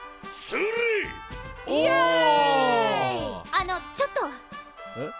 あのちょっと。え？